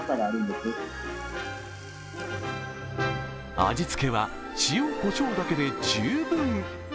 味付けは塩こしょうだけで十分。